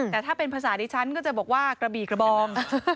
แต่ถ้าเป็นภาษาดิฉันก็จะบอกว่ากระบี่กระบอง